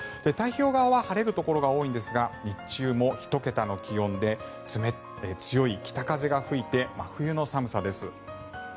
太平洋側は晴れるところが多いんですが日中も１桁の気温で強い北風が吹いて真冬の寒さです。